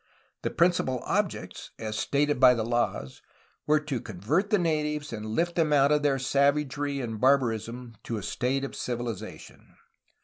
The principal objects, as stated by the laws, were to convert the natives and lift them out of their savagery and barbarism to a state of civilization.